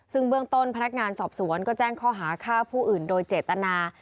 ซึ่งเบื้องต้นพนักงานสอบสวนก็แจ้งข้อหาฆ่าผู้อื่นโดยเจตนา